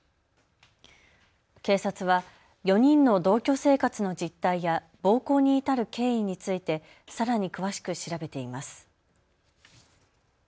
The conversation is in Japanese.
警察は４人の同居生活の実態や暴行に至る経緯についてさらに詳しく調べています。